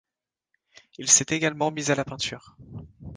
Il s'est également mis à la peinture.